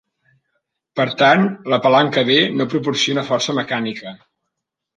Per tant, la palanca D no proporciona força mecànica.